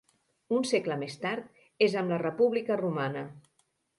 Un segle més tard, és amb la República Romana.